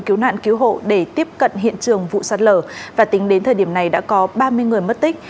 cứu nạn cứu hộ để tiếp cận hiện trường vụ sạt lở và tính đến thời điểm này đã có ba mươi người mất tích